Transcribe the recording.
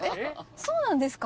そうなんですか？